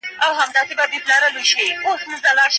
په ښه کورنۍ کې د ماشومانو